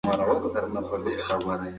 پر یتیمانو رحم کول ثواب لري.